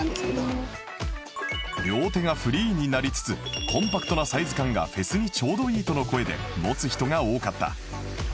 両手がフリーになりつつコンパクトなサイズ感がフェスにちょうどいいとの声で持つ人が多かった